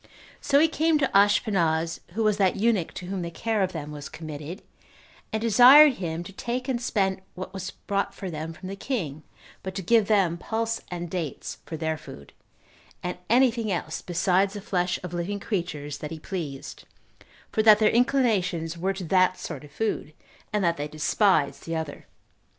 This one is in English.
So he came to Ashpenaz, who was that eunuch to whom the care of them was committed, 17 and desired him to take and spend what was brought for them from the king, but to give them pulse and dates for their food, and any thing else, besides the flesh of living creatures, that he pleased, for that their inclinations were to that sort of food, and that they despised the other.